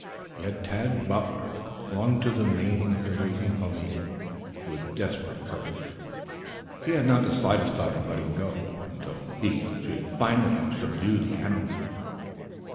Yet Tad Butler clung to the mane of the racing pony with desperate courage. He had not the slightest thought of letting go until ho should finally have subdued the animal.